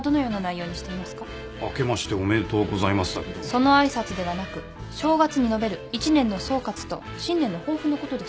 その挨拶ではなく正月に述べる一年の総括と新年の抱負のことです。